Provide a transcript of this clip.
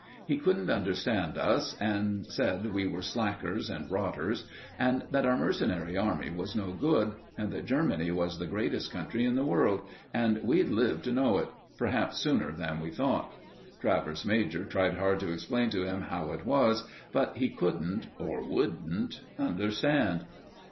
He couldn't understand us, and said we were slackers and rotters, and that our mercenary army was no good, and that Germany was the greatest country in the world, and we'd live to know it perhaps sooner than we thought. Travers major tried hard to explain to him how it was, but he couldn't or wouldn't understand.